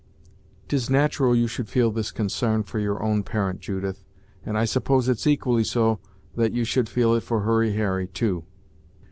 "'T is natural you should feel this consarn for your own parent, Judith, and I suppose it's equally so that you should feel it for Hurry Harry, too."